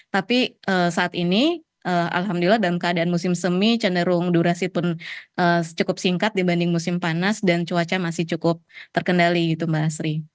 tapi saat ini alhamdulillah dalam keadaan musim semi cenderung durasi pun cukup singkat dibanding musim panas dan cuaca masih cukup terkendali gitu mbak asri